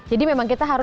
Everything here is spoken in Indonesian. jadi memang kita harus